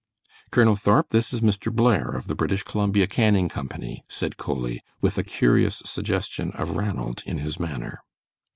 "Colonel Thorp, this is Mr. Blair, of the British Columbia Canning Company," said Coley, with a curious suggestion of Ranald in his manner.